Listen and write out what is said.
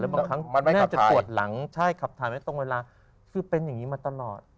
มันไม่ขับทายใช่ขับทายไม่ตรงเวลาคือเป็นอย่างนี้มาตลอด